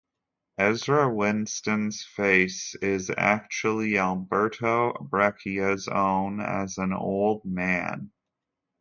Ezra Winston's face is actually Alberto Breccia's own as an old man.